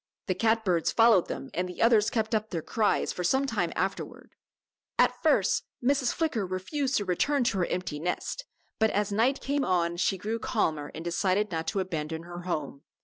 The cat birds followed them and the others kept up their cries for some time afterward. At first Mrs. Flicker refused to return to her empty nest, but as night came on she grew calmer and decided not to abandon her home.